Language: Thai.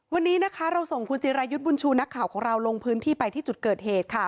วันนี้นะคะเราส่งคุณจิรายุทธ์บุญชูนักข่าวของเราลงพื้นที่ไปที่จุดเกิดเหตุค่ะ